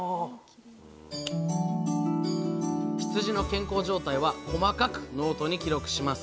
羊の健康状態は細かくノートに記録します。